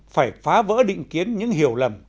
phải phá vỡ định kiến những hiểu lầm